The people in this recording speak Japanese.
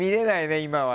今は。